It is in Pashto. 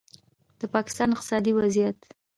د پاکستان اقتصادي وضعیت